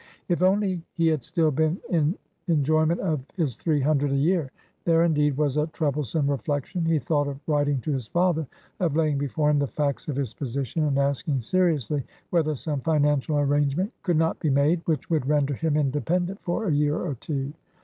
If only he had still been in enjoyment of his three hundred a year. There, indeed, was a troublesome reflection. He thought of writing to his father, of laying before him the facts of his position, and asking seriously whether some financial arrangement could not be made, which would render him independent for a year or two.